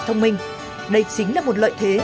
thông minh đây chính là một lợi thế